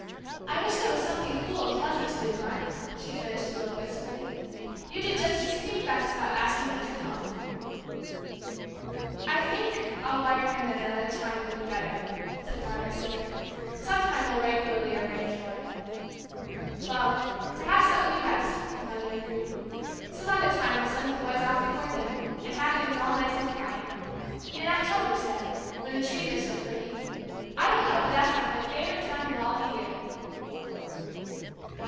I wish there was something cool and pleasant to do, Mark," she finished a little wistfully. "You do just as you think best about asking him to come." "I think I'll wire him that another time would be better," said Margaret, slowly. "Sometime we'll regularly arrange for it." "Well, perhaps that would be best," her mother agreed. "Some other time we'll send the boys off before dinner, and have things all nice and quiet. In October, say, when the trees are so pretty. I don't know but what that's my favorite time of all the year!"